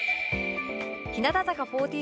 日向坂４６